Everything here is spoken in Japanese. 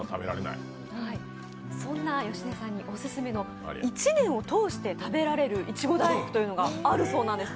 そんな芳根さんにオススメの１年を通して食べられるいちご大福があるそうなんです。